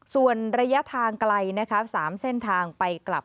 ส่วนระยะทางไกล๓เส้นทางไปกลับ